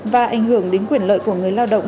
và ảnh hưởng đến quyền lợi của người lao động